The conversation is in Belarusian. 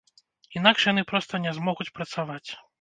Інакш яны проста не змогуць працаваць.